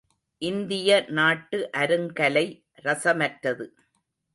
இந்திய நாட்டு அருங்கலை ரசமற்றது.